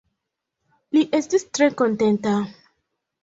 Li estis tre kontenta.